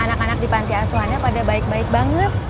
anak anak di panti asuhannya pada baik baik banget